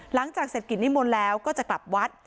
หลังจากเสร็จกิจนิมนต์แล้วก็จะกลับวัด